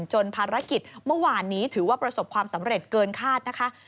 ภารกิจเมื่อวานนี้ถือว่าประสบความสำเร็จเกินคาดนะคะ